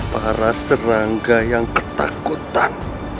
para serangga yang ketakutan